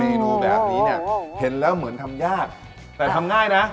นูแบบนี้เนี่ยเห็นแล้วเหมือนทำยากแต่ทำง่ายนะ